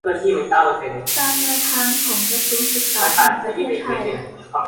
ตามแนวทางของกระทรวงศึกษาแห่งประเทศไทย